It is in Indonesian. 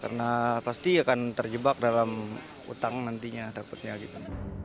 karena pasti akan terjebak dalam utang nantinya takutnya gitu